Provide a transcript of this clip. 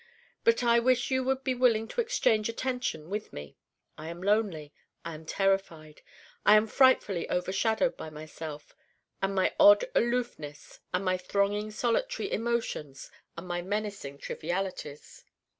But I wish you would be willing to exchange attention with me. I am lonely. I am terrified. I am frightfully overshadowed by myself and my odd aloofness and my thronging solitary emotions and my menacing trivialities.